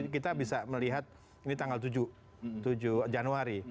kita bisa melihat ini tanggal tujuh januari